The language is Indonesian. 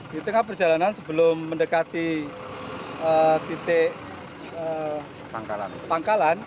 di tengah perjalanan sebelum mendekati titik pangkalan